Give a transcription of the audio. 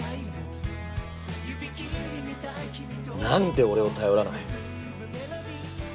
なんで俺を頼らない？